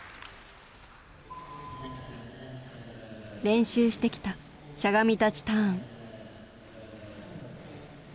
練習してきたしゃがみ立ちターン。